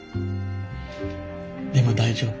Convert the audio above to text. でも大丈夫。